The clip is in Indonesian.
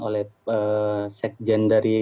oleh sekjen dari